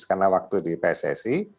karena waktu di pssi